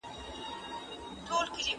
فکرونه مو روښانه.